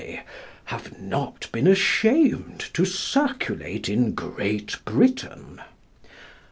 have not been ashamed to circulate in Great Britain.